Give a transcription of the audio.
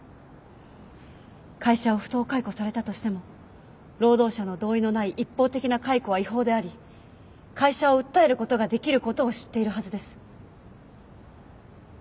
会社を不当解雇されたとしても労働者の同意のない一方的な解雇は違法であり会社を訴えることができることを知っているはずです。